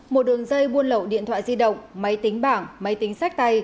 một đường dây buôn lậu điện thoại di động máy tính bảng máy tính sách tay